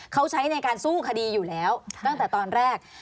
เขาใช้ในการสู้คดีอยู่แล้วตั้งแต่ตอนแรก